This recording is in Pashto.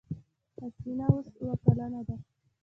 حسينه اوس اوه کلنه ده.